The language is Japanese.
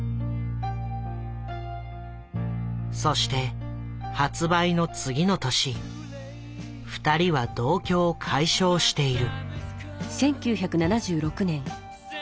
そして発売の次の年２人は同居を解消している。